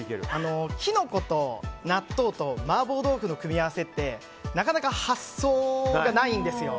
キノコと納豆と麻婆豆腐の組み合わせってなかなか発想がないんですよ。